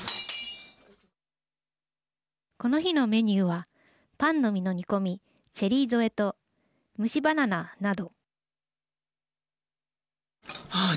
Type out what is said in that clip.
この日のメニューはパンの実の煮込みチェリー添えと蒸しバナナなど。